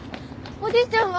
おじいちゃんは？